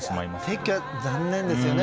撤去は残念ですよね。